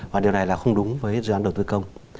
và điều này là không đúng với dự án đầu tư công